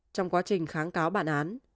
trong quá trình kháng cáo bản án